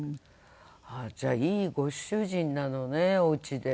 ああじゃあいいご主人なのねおうちで。